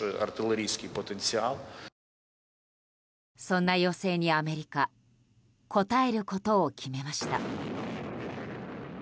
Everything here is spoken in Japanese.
そんな要請にアメリカ応えることを決めました。